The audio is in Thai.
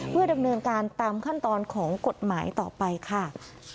เพื่อดำเนินการตามขั้นตอนของกฎหมายต่อไปค่ะ